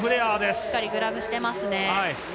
しっかりグラブしてます。